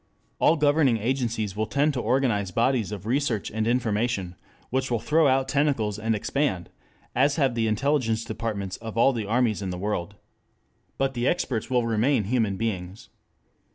All governing agencies will tend to organize bodies of research and information, which will throw out tentacles and expand, as have the intelligence departments of all the armies in the world. But the experts will remain human beings.